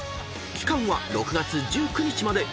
［期間は６月１９日まで］